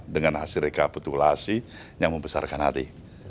dengan hasil rekapitulasi yang membesarkan hati